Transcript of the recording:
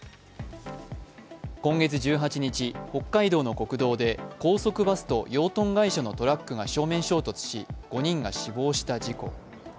今月１８日、北海道の国道で高速バスと養豚会社のトラックが正面衝突し５人が死亡した事故。